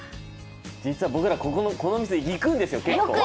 実は僕らこの店行くんですよ、結構。